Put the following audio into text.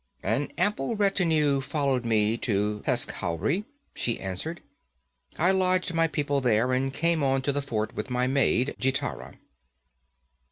'An ample retinue followed me to Peshkhauri,' she answered. 'I lodged my people there and came on to the fort with my maid, Gitara.'